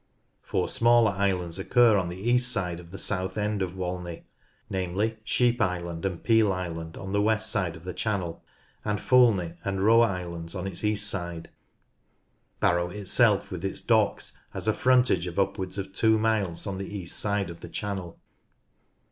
Four smaller islands occur on the east side of the south end of fc^ ■ Humphrey Head Walney, namely Sheep Island and Piel Island on the west side of the channel and Foulney and Roe Islands on its cast side. Barrow itself with its docks has a frontage of upwards of two miles on the east side of the channel.